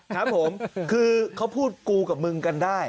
ครับผมคือเขาพูดกูกับมึงกันได้